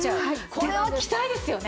これは着たいですよね。